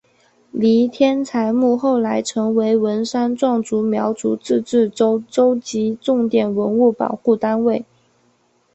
黎天才墓后来成为文山壮族苗族自治州州级重点文物保护单位。